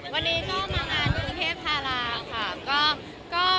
วันนี้มางานอย่างเทพทาราค่ะ